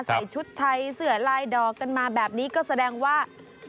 ใส่ชุดไทยเสื้อลายดอกกันมาแบบนี้ก็แสดงว่า